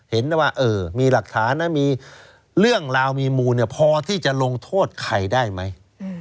เห็นได้ว่ามีหลักฐานนะมีเรื่องราวมีมูลพอที่จะลงโทษใครได้ไหม